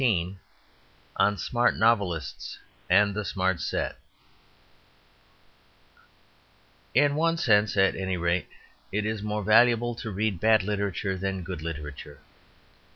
XV On Smart Novelists and the Smart Set In one sense, at any rate, it is more valuable to read bad literature than good literature.